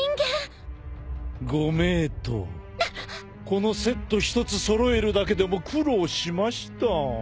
このセット１つ揃えるだけでも苦労しました。